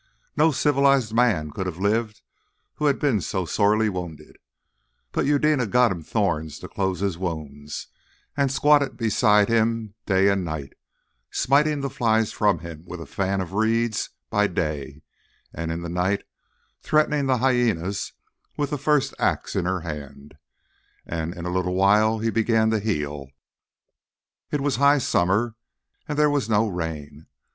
No civilised man could have lived who had been so sorely wounded, but Eudena got him thorns to close his wounds, and squatted beside him day and night, smiting the flies from him with a fan of reeds by day, and in the night threatening the hyænas with the first axe in her hand; and in a little while he began to heal. It was high summer, and there was no rain.